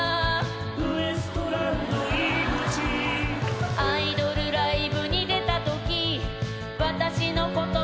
「ウエストランド井口」「アイドルライブに出たとき私のこと好きなファンに」